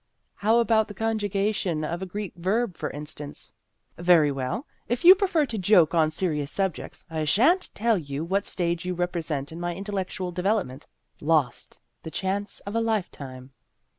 " How about the conjugation of a Greek verb, for instance ?"" Very well ; if you prefer to joke on se rious subjects, I sha' n't tell you what stage you represent in my intellectual develop ment. Lost : the chance of a lifetime